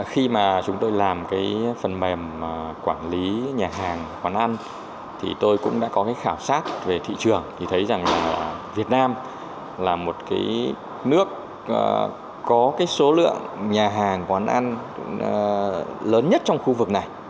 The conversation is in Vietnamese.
khi mà chúng tôi làm cái phần mềm quản lý nhà hàng quán ăn thì tôi cũng đã có cái khảo sát về thị trường thì thấy rằng việt nam là một cái nước có cái số lượng nhà hàng quán ăn lớn nhất trong khu vực này